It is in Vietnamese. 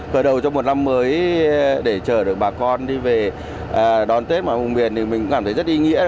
khởi đầu trong một năm mới để chờ được bà con đi về đón tết mọi nguồn biển thì mình cảm thấy rất y nghĩa